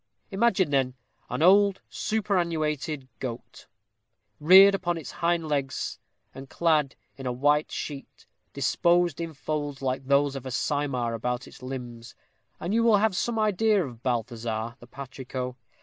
Imagine, then, an old superannuated goat, reared upon its hind legs, and clad in a white sheet, disposed in folds like those of a simar about its limbs, and you will have some idea of Balthazar, the patrico.